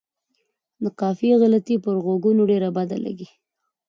د قافیې غلطي پر غوږونو ډېره بده لګي.